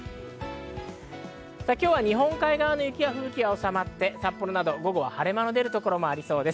今日は日本海側の雪や吹雪は収まって、札幌など午後は晴れ間の出る所もありそうです。